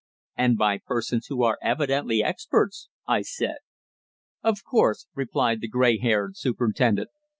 "And by persons who are evidently experts," I said. "Of course," replied the grey haired superintendent.